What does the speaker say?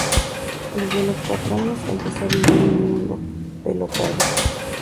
Desde los cuatro años empezó a vivir un mundo pelotari.